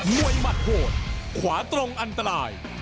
หมัดโหดขวาตรงอันตราย